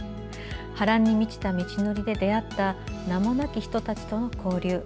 波乱に満ちた道のりで出会った名もなき人たちとの交流。